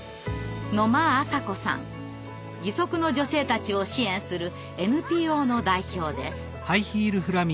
義足の女性たちを支援するＮＰＯの代表です。